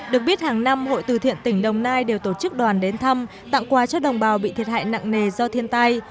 được biết hàng năm hội từ thiện tỉnh đồng nai đều tổ chức đoàn đến thăm tặng quà cho đồng bào bị thiệt hại nặng nề do thiên tai